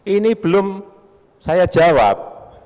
ini belum saya jawab